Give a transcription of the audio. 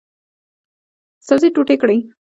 سبزي ټوټې کړئ